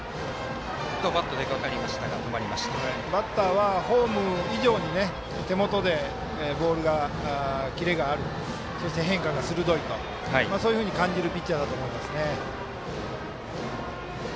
バッターは、フォーム以上に手元でボールのキレがあるそして、変化が鋭いと感じるピッチャーだと思います。